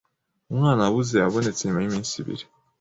Umwana wabuze yabonetse nyuma yiminsi ibiri.